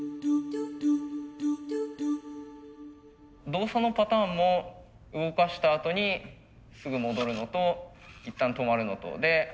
動作のパターンも動かしたあとにすぐ戻るのと一旦止まるのとで